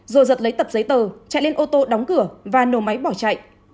rồi giật lấy tập giấy tờ chạy lên ô tô đóng cửa và nổ máy bỏ chạy